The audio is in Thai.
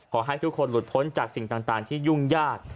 ขอให้ทุกคนหลุดพ้นจากสิ่งต่างที่ยุ่งยาก